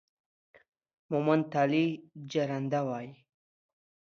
مومند تالي جرنده وايي